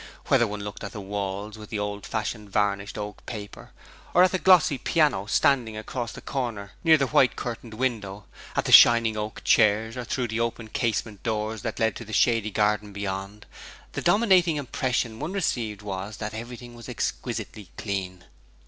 Whether one looked at the walls with the old fashioned varnished oak paper, or at the glossy piano standing across the corner near the white curtained window, at the shining oak chairs or through the open casement doors that led into the shady garden beyond, the dominating impression one received was that everything was exquisitely clean.